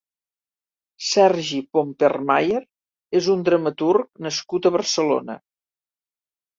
Sergi Pompermayer és un dramaturg nascut a Barcelona.